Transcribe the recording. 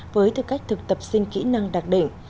với tư cách thực tập sinh kỹ năng đặc định